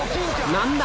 何だ？